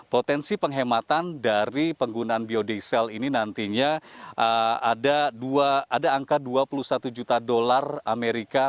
potensi penghematan dari penggunaan biodiesel ini nantinya ada angka dua puluh satu juta dolar amerika